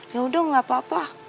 yaudah enggak apa apa